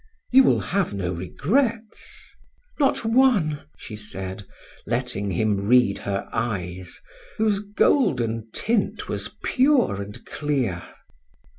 "You will have no regrets?" "Not one"! she said, letting him read her eyes, whose golden tint was pure and clear.